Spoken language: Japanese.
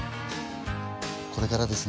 これからですね